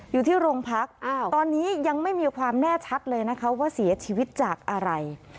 อยู่ที่โรงพักตอนนี้ยังไม่มีความแน่ชัดเลยนะคะว่าเสียชีวิตจากอะไร